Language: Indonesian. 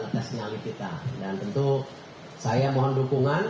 tentu saya mohon dukungan